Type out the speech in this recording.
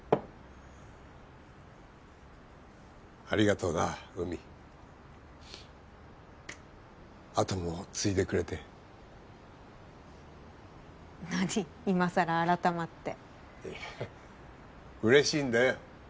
ありがとうな海アトムを継いでくれて何今さら改まっていや嬉しいんだよ